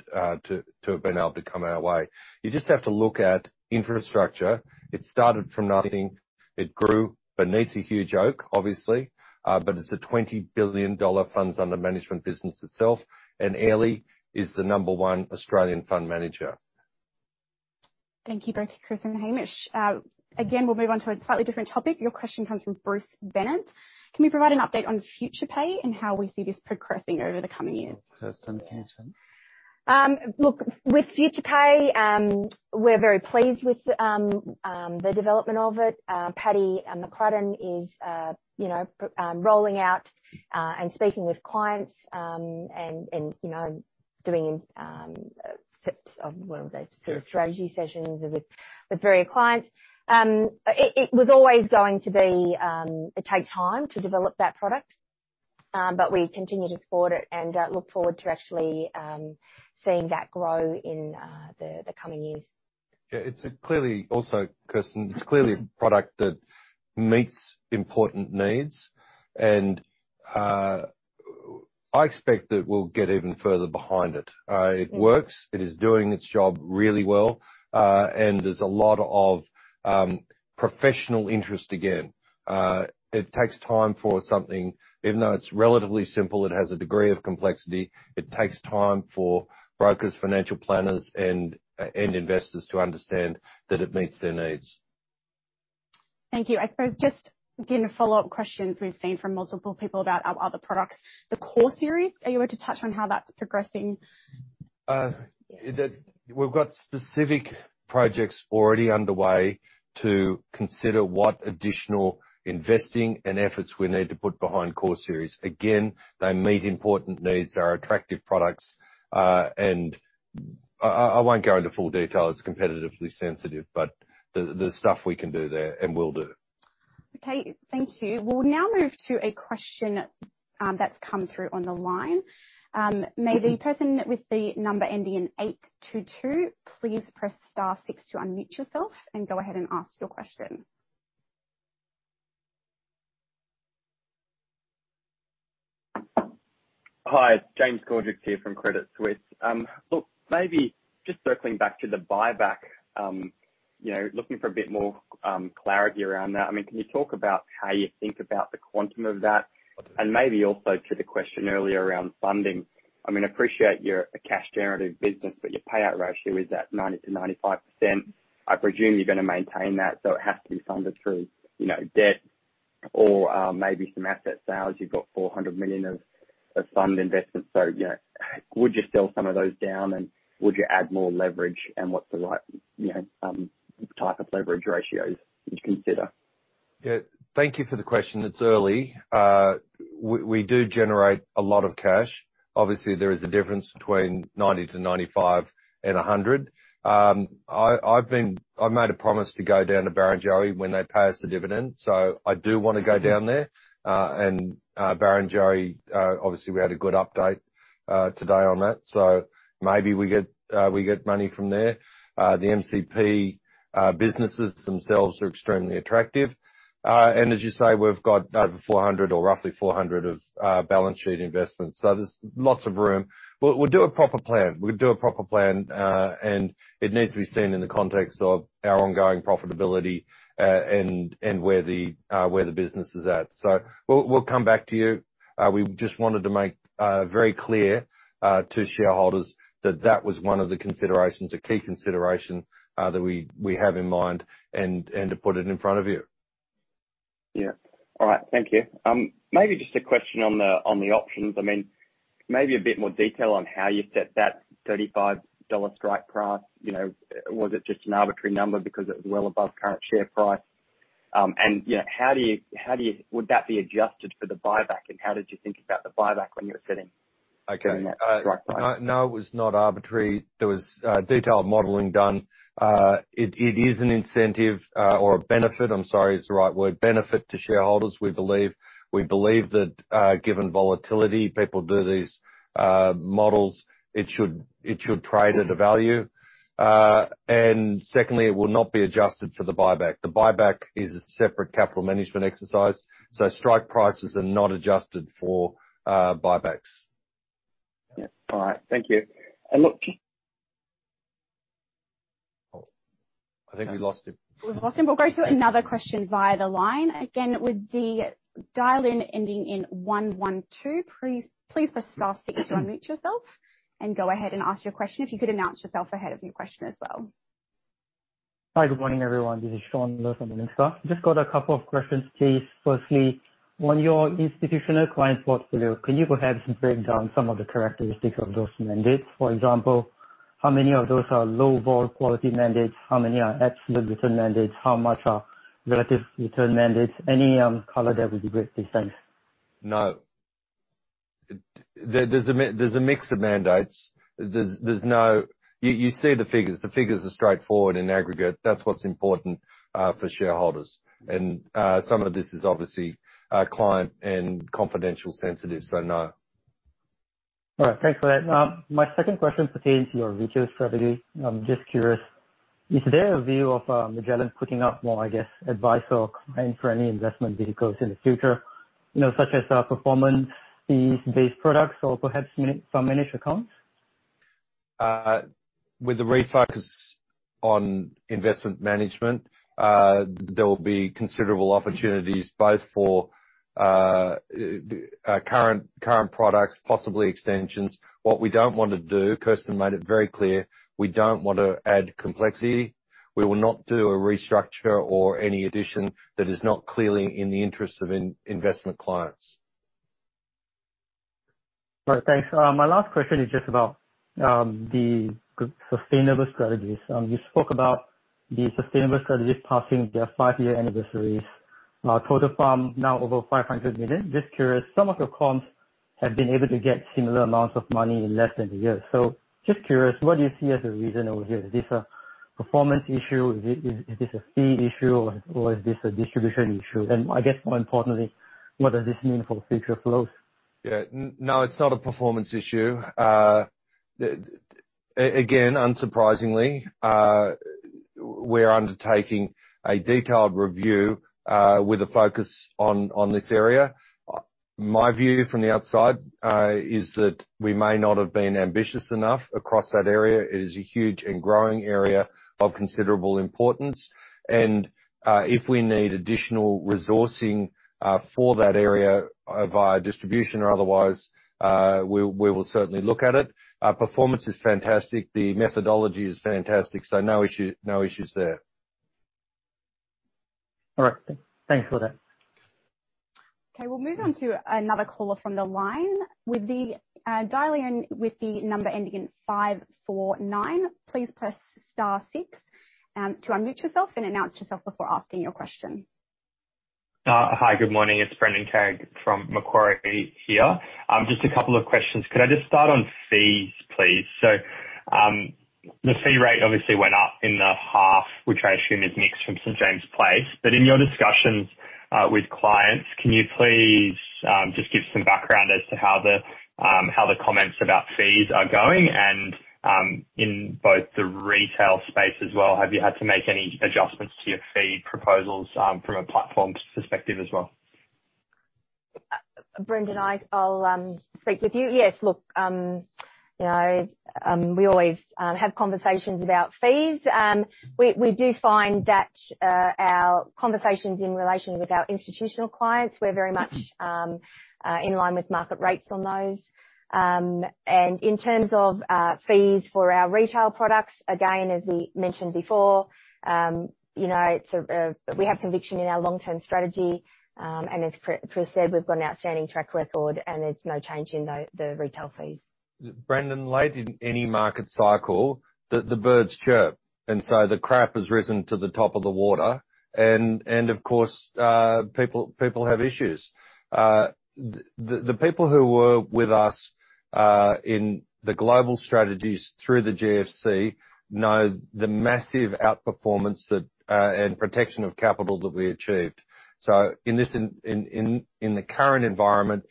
to have been able to come our way. You just have to look at infrastructure. It started from nothing. It grew beneath a huge oak, obviously, but it's a 20 billion dollar funds under management business itself, and Airlie is the number one Australian fund manager. Thank you both, Kirsten and Hamish. Again, we'll move on to a slightly different topic. Your question comes from Bruce Bennett. Can we provide an update on FuturePay and how we see this progressing over the coming years? Kirsten, care to? Look, with FuturePay, we're very pleased with the development of it. Paddy McCrudden is, you know, rolling out and speaking with clients, and, you know, doing steps of one of the sort of strategy sessions. Yeah. with various clients. It was always going to be take time to develop that product. We continue to support it and look forward to actually seeing that grow in the coming years. Yeah, it's clearly also, Kirsten, a product that meets important needs, and I expect that we'll get even further behind it. It works, it is doing its job really well, and there's a lot of professional interest again. It takes time for something. Even though it's relatively simple, it has a degree of complexity. It takes time for brokers, financial planners, and investors to understand that it meets their needs. Thank you. I suppose just, again, the follow-up questions we've seen from multiple people about our other products. The Core Series, are you able to touch on how that's progressing? That we've got specific projects already underway to consider what additional investing and efforts we need to put behind Core Series. Again, they meet important needs, are attractive products, and I won't go into full detail, it's competitively sensitive, but there's stuff we can do there and will do. Okay, thank you. We'll now move to a question that's come through on the line. May the person with the number ending in 822, please press star six to unmute yourself and go ahead and ask your question. Hi, it's James Cordukes here from Credit Suisse. Look, maybe just circling back to the buyback, you know, looking for a bit more clarity around that. I mean, can you talk about how you think about the quantum of that? Maybe also to the question earlier around funding. I mean, I appreciate you're a cash generative business, but your payout ratio is at 90%-95%. I presume you're gonna maintain that, so it has to be funded through, you know, debt or maybe some asset sales. You've got 400 million of fund investments. So, you know, would you sell some of those down, and would you add more leverage, and what's the right, you know, type of leverage ratios would you consider? Yeah, thank you for the question. It's early. We do generate a lot of cash. Obviously, there is a difference between 90-95 and 100. I've made a promise to go down to Barrenjoey when they pay us a dividend, so I do wanna go down there. Barrenjoey obviously, we had a good update today on that. So maybe we get money from there. The MCP businesses themselves are extremely attractive. As you say, we've got over 400 or roughly 400 of balance sheet investments, so there's lots of room. We'll do a proper plan. It needs to be seen in the context of our ongoing profitability and where the business is at. We'll come back to you. We just wanted to make very clear to shareholders that was one of the considerations, a key consideration, that we have in mind and to put it in front of you. Yeah. All right. Thank you. Maybe just a question on the options. I mean, maybe a bit more detail on how you set that 35 dollar strike price. You know, was it just an arbitrary number because it was well above current share price? And, you know, how do you. Would that be adjusted for the buyback, and how did you think about the buyback when you were setting- Okay. setting that strike price? No, it was not arbitrary. There was detailed modeling done. It is an incentive or a benefit, I'm sorry, is the right word, benefit to shareholders. We believe that given volatility, people do these models, it should trade at a value. Secondly, it will not be adjusted for the buyback. The buyback is a separate capital management exercise, so strike prices are not adjusted for buybacks. Yeah. All right. Thank you. Look. Oh, I think we lost him. We've lost him. We'll go to another question via the line. Again, with the dial-in ending in 112, please press star six to unmute yourself and go ahead and ask your question. If you could announce yourself ahead of your question as well. Hi, good morning, everyone. This is Sean Lo from Nomura. Just got a couple of questions, please. Firstly, on your institutional client portfolio, can you perhaps break down some of the characteristics of those mandates? For example, how many of those are low vol quality mandates? How many are absolute return mandates? How much are relative return mandates? Any color there would be greatly appreciated. No. There's a mix of mandates. There's no. You see the figures. The figures are straightforward in aggregate. That's what's important for shareholders. Some of this is obviously client and confidential sensitive, so no. All right. Thanks for that. My second question pertains to your retail strategy. I'm just curious, is there a view of Magellan putting up more, I guess, advice or client-friendly investment vehicles in the future, you know, such as performance fees-based products or perhaps some managed accounts? With the refocus on investment management, there will be considerable opportunities both for current products, possibly extensions. What we don't want to do, Kirsten made it very clear, we don't wanna add complexity. We will not do a restructure or any addition that is not clearly in the interest of investment clients. All right. Thanks. My last question is just about the sustainable strategies. You spoke about the sustainable strategies passing their five-year anniversaries, total FUM now over 500 million. Just curious, some of your comps have been able to get similar amounts of money in less than a year. Just curious, what do you see as the reason over here? Is this a performance issue? Is it a fee issue, or is this a distribution issue? I guess more importantly, what does this mean for future flows? No, it's not a performance issue. Again, unsurprisingly, we're undertaking a detailed review with a focus on this area. My view from the outside is that we may not have been ambitious enough across that area. It is a huge and growing area of considerable importance. If we need additional resourcing for that area via distribution or otherwise, we will certainly look at it. Our performance is fantastic. The methodology is fantastic. No issues there. All right. Thanks for that. Okay, we'll move on to another caller from the line with the dial-in with the number ending in 549. Please press star six to unmute yourself and announce yourself before asking your question. Hi. Good morning. It's Brendan Carrig from Macquarie here. Just a couple of questions. Could I just start on fees, please? The fee rate obviously went up in the half, which I assume is mixed from St. James's Place. In your discussions with clients, can you please just give some background as to how the comments about fees are going? In both the retail space as well, have you had to make any adjustments to your fee proposals from a platform perspective as well? Brendan, I'll speak with you. Yes. Look, you know, we always have conversations about fees. We do find that our conversations in relation with our institutional clients, we're very much in line with market rates on those. In terms of fees for our retail products, again, as we mentioned before, you know, it's a. We have conviction in our long-term strategy. As Prue said, we've got an outstanding track record, and it's no change in the retail fees. Brendan, late in any market cycle, the birds chirp, and so the crap has risen to the top of the water. Of course, people have issues. The people who were with us in the global strategies through the GFC know the massive outperformance and protection of capital that we achieved. In the current environment,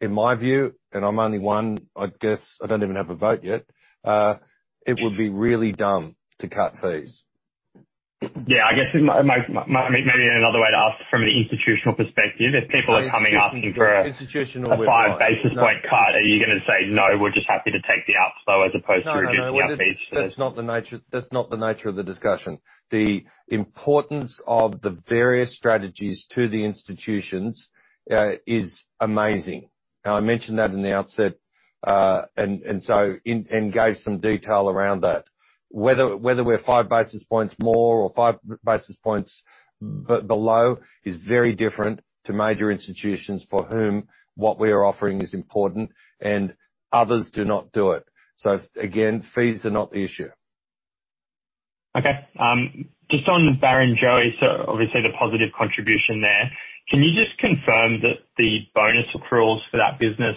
in my view, and I'm only one, I guess I don't even have a vote yet, it would be really dumb to cut fees. Yeah, I guess it might maybe another way to ask from an institutional perspective, if people are coming, asking for a five basis point cut, are you gonna say, "No, we're just happy to take the outflow as opposed to reducing our fees? No, no. That's not the nature of the discussion. The importance of the various strategies to the institutions is amazing. Now, I mentioned that in the outset and gave some detail around that. Whether we're five basis points more or five basis points below is very different to major institutions for whom what we are offering is important and others do not do it. Again, fees are not the issue. Okay. Just on Barrenjoey, obviously the positive contribution there. Can you just confirm that the bonus accruals for that business,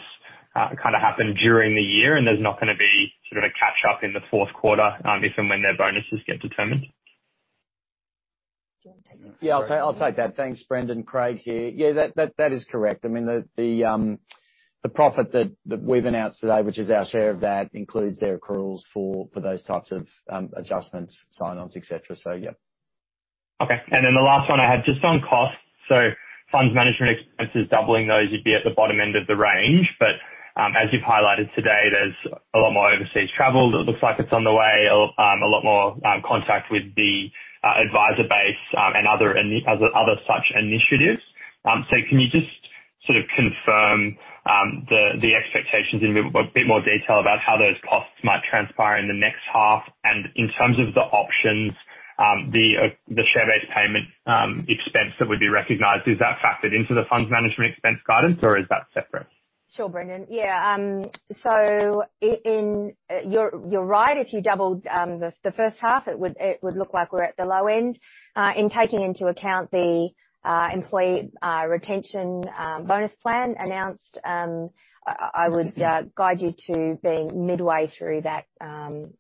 kinda happened during the year, and there's not gonna be sort of a catch-up in the fourth quarter, if and when their bonuses get determined? Do you wanna take that, Craig? Yeah, I'll take that. Thanks, Brendan. Craig here. Yeah, that is correct. I mean, the profit that we've announced today, which is our share of that, includes their accruals for those types of adjustments, sign-ons, et cetera. So, yeah. Okay. Then the last one I had just on costs. Funds management expenses doubling those, you'd be at the bottom end of the range. As you've highlighted today, there's a lot more overseas travel that looks like it's on the way, a lot more contact with the advisor base, and other such initiatives. Can you just sort of confirm the expectations in a bit more detail about how those costs might transpire in the next half? In terms of the options, the share-based payment expense that would be recognized, is that factored into the funds management expense guidance, or is that separate? Sure, Brendan. Yeah. You're right. If you doubled the first half, it would look like we're at the low end. In taking into account the employee retention bonus plan announced, I would guide you to being midway through that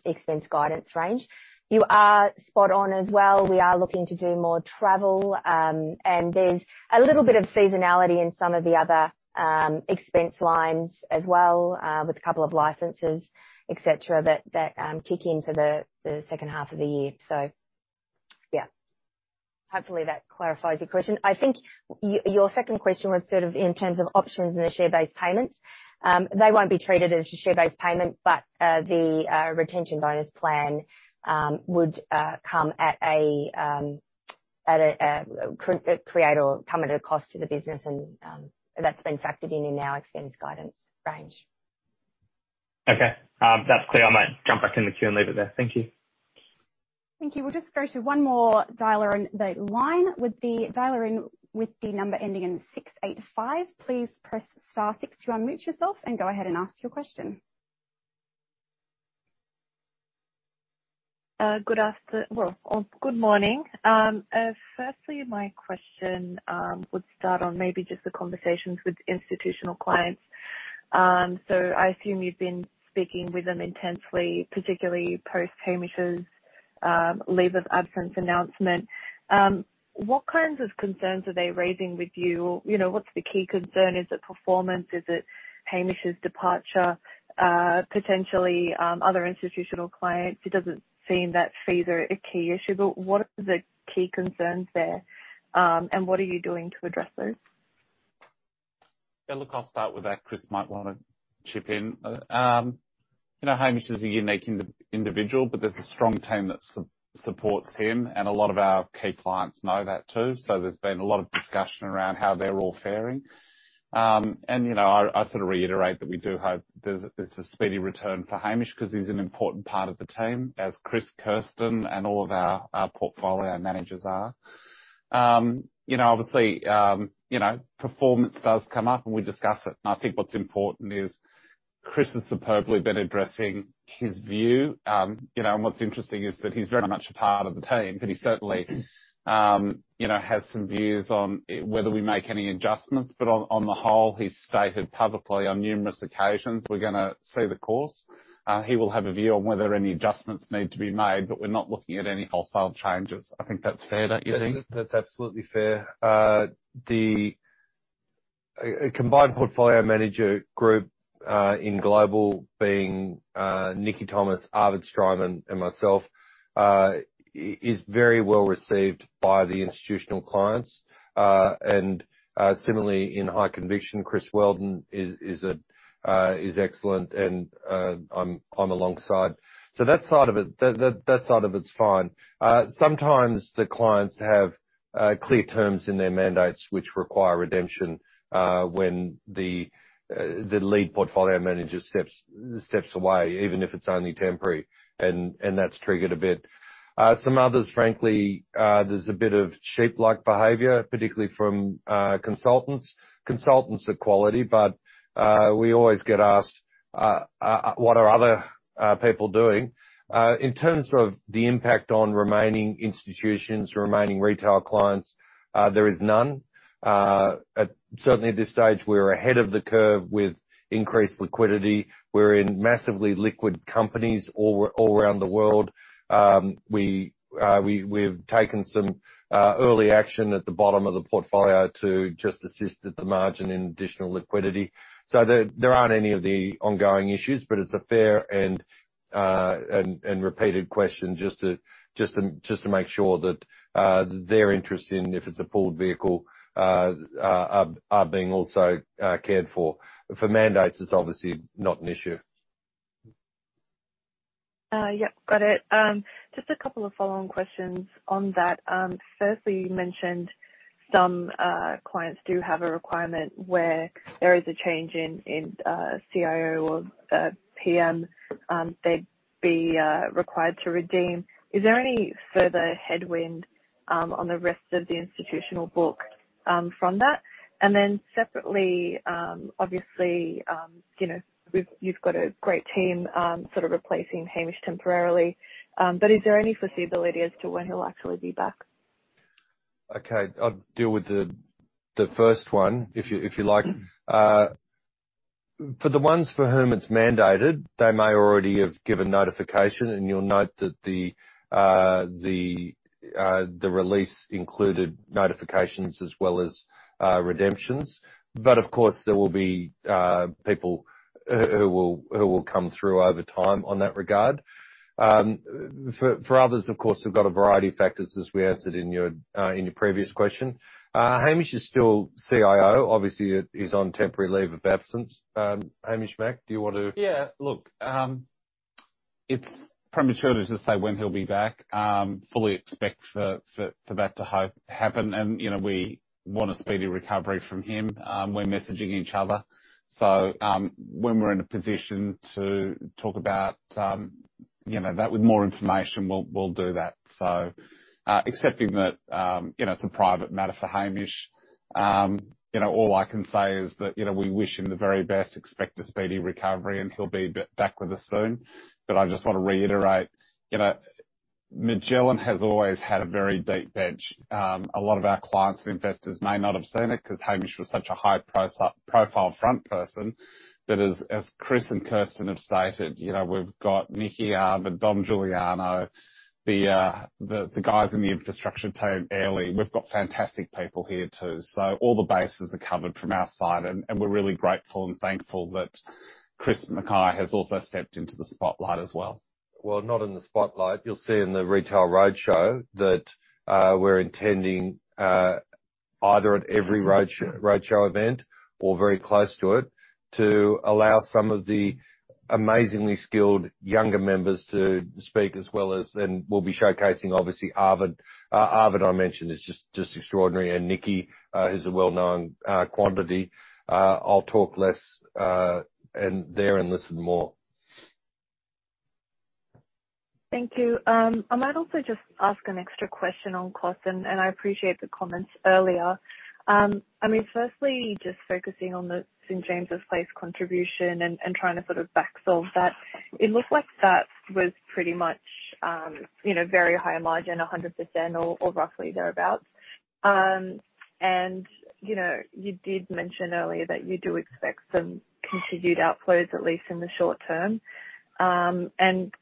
expense guidance range. You are spot on as well. We are looking to do more travel, and there's a little bit of seasonality in some of the other expense lines as well, with a couple of licenses, et cetera, that kick into the second half of the year. Yeah. Hopefully that clarifies your question. I think your second question was sort of in terms of options and the share-based payments. They won't be treated as a share-based payment, but the retention bonus plan would come at a cost to the business and that's been factored in our expense guidance range. Okay. That's clear. I might jump back in the queue and leave it there. Thank you. Thank you. We'll just go to one more caller on the line with the number ending in 685. Please press star six to unmute yourself and go ahead and ask your question. Good morning. Firstly, my question would start on maybe just the conversations with institutional clients. I assume you've been speaking with them intensely, particularly post Hamish's leave of absence announcement. What kinds of concerns are they raising with you? You know, what's the key concern? Is it performance? Is it Hamish's departure? Potentially, other institutional clients? It doesn't seem that fees are a key issue, but what are the key concerns there, and what are you doing to address those? Yeah, look, I'll start with that. Chris might wanna chip in. You know, Hamish is a unique individual, but there's a strong team that supports him, and a lot of our key clients know that too. There's been a lot of discussion around how they're all faring. You know, I sort of reiterate that we do hope there's a speedy return for Hamish 'cause he's an important part of the team, as Chris, Kirsten, and all of our portfolio managers are. You know, obviously, performance does come up and we discuss it. I think what's important is Chris has superbly been addressing his view. You know, what's interesting is that he's very much a part of the team, but he certainly has some views on whether we make any adjustments. On the whole, he's stated publicly on numerous occasions, we're gonna stay the course. He will have a view on whether any adjustments need to be made, but we're not looking at any wholesale changes. I think that's fair, don't you think? That's absolutely fair. A combined portfolio manager group in global being Nikki Thomas, Arvid Streimann, and myself is very well received by the institutional clients. Similarly in High Conviction, Chris Wheldon is excellent and I'm alongside. That side of it's fine. Sometimes the clients have clear terms in their mandates, which require redemption when the lead portfolio manager steps away, even if it's only temporary, and that's triggered a bit. Some others, frankly, there's a bit of sheep-like behavior, particularly from consultants. Consultants are quality, but we always get asked what are other people doing? In terms of the impact on remaining institutions, remaining retail clients, there is none. Certainly at this stage, we're ahead of the curve with increased liquidity. We're in massively liquid companies all around the world. We've taken some early action at the bottom of the portfolio to just assist at the margin in additional liquidity. There aren't any of the ongoing issues, but it's a fair and repeated question just to make sure that their interest in, if it's a pooled vehicle, are being also cared for. For mandates, it's obviously not an issue. Yep. Got it. Just a couple of follow-on questions on that. Firstly, you mentioned some clients do have a requirement where there is a change in CIO or PM. They'd be required to redeem. Is there any further headwind on the rest of the institutional book from that? And then separately, obviously, you know, you've got a great team sort of replacing Hamish temporarily, but is there any foreseeability as to when he'll actually be back? Okay. I'll deal with the first one, if you like. For the ones for whom it's mandated, they may already have given notification, and you'll note that the release included notifications as well as redemptions. Of course, there will be people who will come through over time on that regard. For others, of course, we've got a variety of factors, as we answered in your previous question. Hamish is still CIO. Obviously, he's on temporary leave of absence. Hamish McLennan, do you want to- Yeah. Look, it's premature to just say when he'll be back. Fully expect for that to happen, and you know, we want a speedy recovery from him. We're messaging each other. When we're in a position to talk about you know, that with more information, we'll do that. Accepting that, you know, it's a private matter for Hamish. You know, all I can say is that you know, we wish him the very best, expect a speedy recovery, and he'll be back with us soon. I just want to reiterate, you know, Magellan has always had a very deep bench. A lot of our clients and investors may not have seen it 'cause Hamish was such a high-profile front person. As Chris and Kirsten have stated, you know, we've got Nikki Thomas, Dom Giuliano, the guys in the infrastructure team, Airlie. We've got fantastic people here, too. All the bases are covered from our side, and we're really grateful and thankful that Chris Mackay has also stepped into the spotlight as well. Well, not in the spotlight. You'll see in the retail roadshow that we're intending, either at every roadshow event or very close to it, to allow some of the amazingly skilled younger members to speak as well as, and we'll be showcasing, obviously, Arvid. Arvid, I mentioned, is just extraordinary. Nikki is a well-known quantity. I'll talk less, and then listen more. Thank you. I might also just ask an extra question on cost, and I appreciate the comments earlier. I mean, firstly, just focusing on the St. James's Place contribution and trying to sort of back solve that, it looked like that was pretty much, you know, very high margin, 100% or roughly thereabout. You know, you did mention earlier that you do expect some continued outflows, at least in the short term. I'm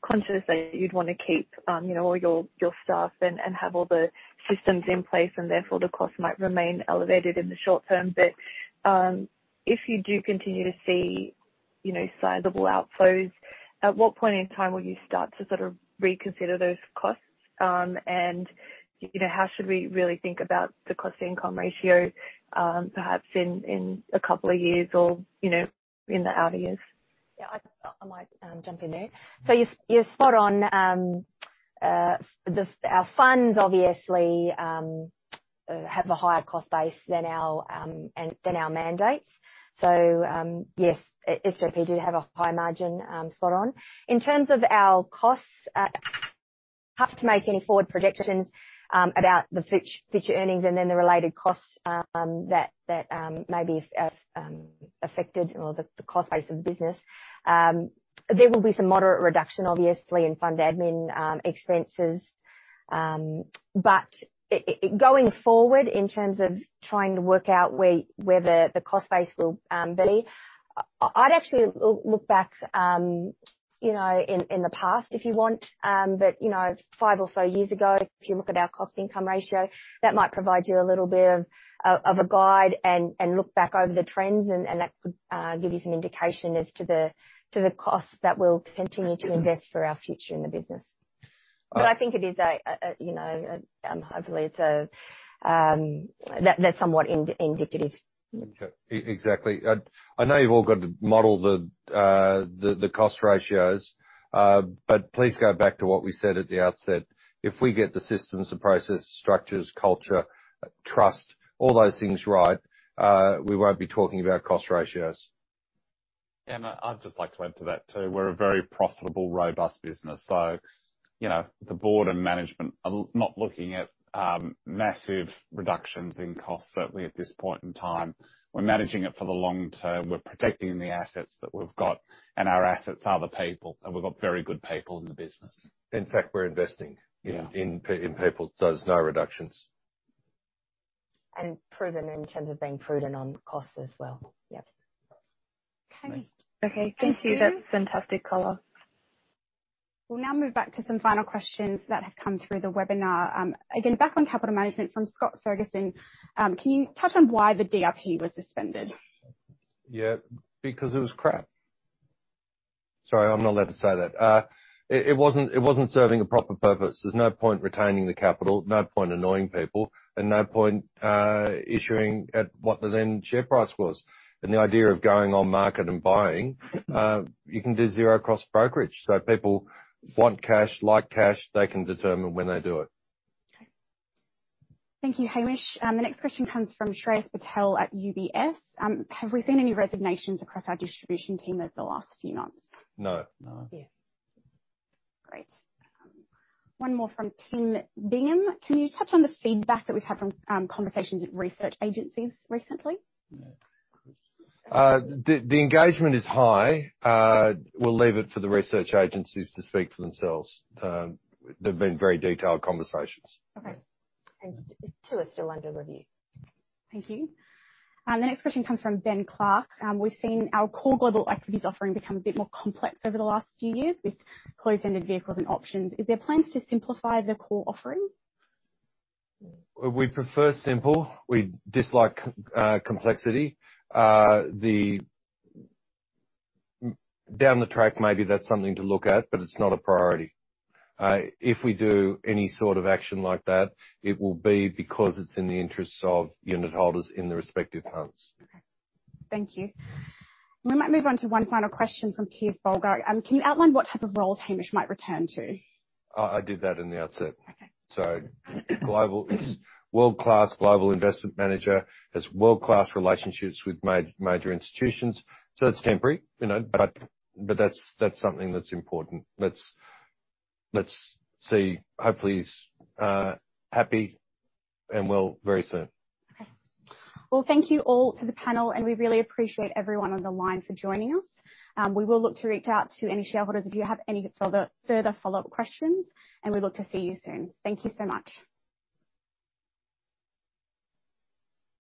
conscious that you'd wanna keep, you know, all your staff and have all the systems in place, and therefore, the cost might remain elevated in the short term. If you do continue to see, you know, sizable outflows, at what point in time will you start to sort of reconsider those costs? You know, how should we really think about the cost income ratio, perhaps in a couple of years or, you know, in the outer years? Yeah, I might jump in there. You're spot on. Our funds obviously have a higher cost base than our mandates. Yes, SJP do have a high margin, spot on. In terms of our costs, we have to make any forward projections about the future earnings and then the related costs that may be affected or the cost base of the business. There will be some moderate reduction, obviously, in fund admin expenses. Going forward, in terms of trying to work out where the cost base will be, I'd actually look back, you know, in the past if you want. You know, five or so years ago, if you look at our cost income ratio, that might provide you a little bit of a guide and look back over the trends, and that could give you some indication as to the costs that we'll continue to invest for our future in the business. I think it is, you know, hopefully that's somewhat indicative. Okay. Exactly. I know you've all got to model the cost ratios, but please go back to what we said at the outset. If we get the systems, the process, structures, culture, trust, all those things right, we won't be talking about cost ratios. I'd just like to add to that, too. We're a very profitable, robust business. So, you know, the board and management are not looking at massive reductions in costs, certainly at this point in time. We're managing it for the long term. We're protecting the assets that we've got. Our assets are the people, and we've got very good people in the business. In fact, we're investing. Yeah. in people, so there's no reductions. Proven in terms of being prudent on cost as well. Yep. Okay. Thank you. Thank you. That's fantastic color. We'll now move back to some final questions that have come through the webinar. Again, back on capital management from Scott Ferguson, can you touch on why the DRP was suspended? Yeah, because it was crap. Sorry, I'm not allowed to say that. It wasn't serving a proper purpose. There's no point retaining the capital, no point annoying people, and no point issuing at what the then share price was. The idea of going on-market and buying, you can do zero-cost brokerage, so people want cash, like cash, they can determine when they do it. Okay. Thank you, Hamish. The next question comes from Shreyas Patel at UBS. Have we seen any resignations across our distribution team over the last few months? No. Yeah. Great. One more from Tim Bingham. Can you touch on the feedback that we've had from conversations with research agencies recently? The engagement is high. We'll leave it for the research agencies to speak for themselves. They've been very detailed conversations. Okay. Two are still under review. Thank you. The next question comes from Ben Clark. We've seen our core global activities offering become a bit more complex over the last few years with closed-ended vehicles and options. Is there plans to simplify the core offering? We prefer simple. We dislike complexity. Down the track, maybe that's something to look at, but it's not a priority. If we do any sort of action like that, it will be because it's in the interests of unitholders in the respective funds. Okay. Thank you. We might move on to one final question from Piers Bolgar. Can you outline what type of role Hamish might return to? I did that in the outset. Okay. Global world-class global investment manager has world-class relationships with major institutions, so it's temporary, you know, but that's something that's important. Let's see, hopefully he's happy and well very soon. Okay. Well, thank you all to the panel, and we really appreciate everyone on the line for joining us. We will look to reach out to any shareholders if you have any further follow-up questions, and we look to see you soon. Thank you so much.